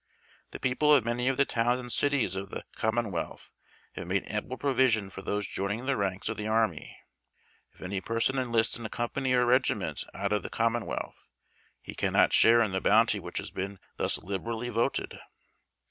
The people of many of the towns and cities of the Com monwealth have made ample provision for those joining the ranks of the army. If any person enlists in a Company or Regiment out of the Com monwealth, lie cannot share in the bounty which has beer thus liberally voted.